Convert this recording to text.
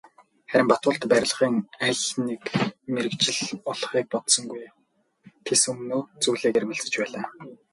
Харин Батболд барилгын аль нэг мэргэжил олохыг бодсонгүй, тэс өмнөө зүйлийг эрмэлзэж байлаа.